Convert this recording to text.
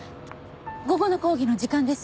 午後の講義の時間です。